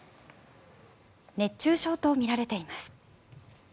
熱中症とみられています。